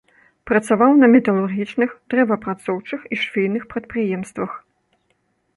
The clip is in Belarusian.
Працаваў на металургічных, дрэваапрацоўчых і швейных прадпрыемствах.